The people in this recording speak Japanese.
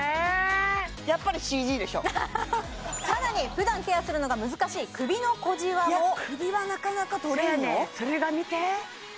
やっぱりＣＧでしょさらにふだんケアするのが難しい首の小じわもいや首はなかなか取れんよせやねんそれが見て！